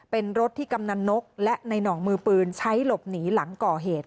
เป็นรถที่กำนันนกและในหน่องมือปืนใช้หลบหนีหลังก่อเหตุ